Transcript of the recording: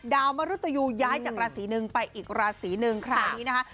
มรุตยูย้ายจากราศีหนึ่งไปอีกราศีหนึ่งคราวนี้นะคะ